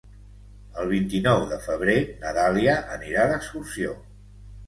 El vint-i-nou de febrer na Dàlia anirà d'excursió.